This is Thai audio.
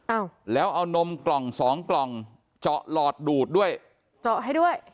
อ้าวแล้วเอานมกล่องสองกล่องเจาะหลอดดูดด้วยเจาะให้ด้วย